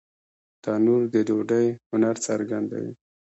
تنور د ډوډۍ هنر څرګندوي